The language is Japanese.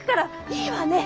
いいわね。